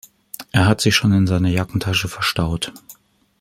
Er hat sie schon in seiner Jackentasche verstaut.